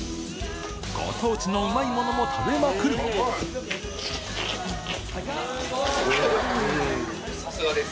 ご当地のうまいものも食べまさすがです。